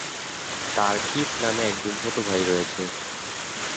তার কিথ নামে একজন ছোট ভাই রয়েছে।